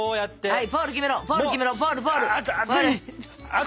はい。